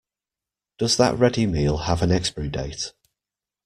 Does that ready meal have an expiry date?